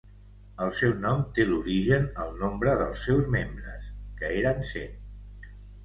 El seu nom té l'origen al nombre dels seus membres, que eren cent.